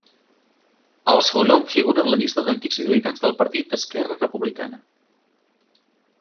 El seu nom figura en la llista d'antics militants del Partit Esquerra Republicana.